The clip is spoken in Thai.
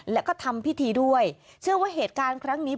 แล้วก็ทำพิธีด้วยเชื่อว่าเหตุการณ์ครั้งนี้